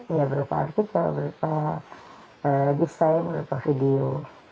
ya berupa artikel berupa desain berupa video